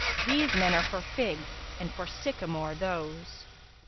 * These men are for figs and for sycamore[FN#339] those!'